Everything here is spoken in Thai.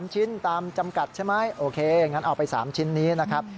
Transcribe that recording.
๓ชิ้นตามจำกัดใช่ไหมโอเคงั้นเอาไป๓ชิ้นนี้นะครับ